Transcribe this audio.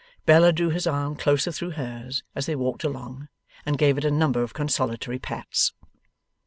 Bella drew his arm closer through hers as they walked along, and gave it a number of consolatory pats.